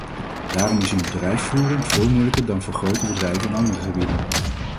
Daarom is hun bedrijfsvoering veel moeilijker dan voor grote bedrijven in andere gebieden.